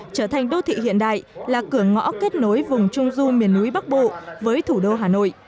trở thành đô thị hiện đại là cửa ngõ kết nối vùng trung du miền núi bắc bộ với thủ đô hà nội